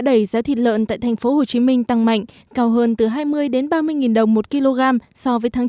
đẩy giá thịt lợn tại thành phố hồ chí minh tăng mạnh cao hơn từ hai mươi ba mươi đồng một kg so với tháng